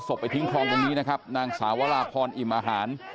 ไปทิ้งคลองตรงนี้นะครับนางสาวราพรอิ่มอาหาร